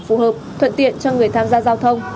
phù hợp thuận tiện cho người tham gia giao thông